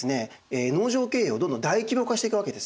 農場経営をどんどん大規模化していくわけですね。